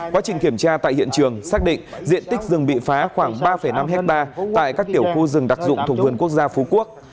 quá trình kiểm tra tại hiện trường xác định diện tích rừng bị phá khoảng ba năm hectare tại các tiểu khu rừng đặc dụng thuộc vườn quốc gia phú quốc